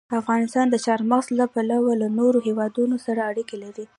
افغانستان د چار مغز له پلوه له نورو هېوادونو سره اړیکې لري.